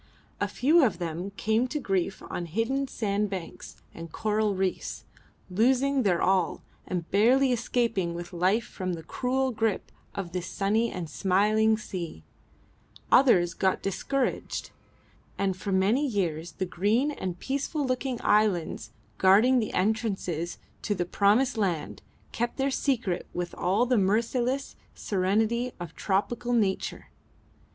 A few of them came to grief on hidden sandbanks and coral reefs, losing their all and barely escaping with life from the cruel grip of this sunny and smiling sea; others got discouraged; and for many years the green and peaceful looking islands guarding the entrances to the promised land kept their secret with all the merciless serenity of tropical nature.